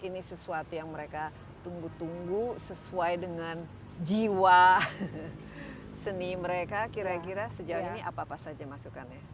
ini sesuatu yang mereka tunggu tunggu sesuai dengan jiwa seni mereka kira kira sejauh ini apa apa saja masukannya